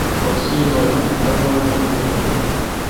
Kɔrisi yi mali a, a bi lan ŋubiri juri.